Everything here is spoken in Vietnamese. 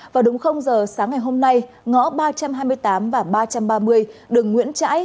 vào đúng giờ sáng ngày hôm nay ngõ ba trăm hai mươi tám và ba trăm ba mươi đường nguyễn trãi